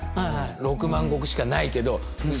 ６万石しかないけどうち